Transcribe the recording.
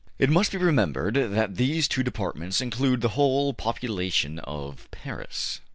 It must be remembered that these two departments include the whole population of Paris.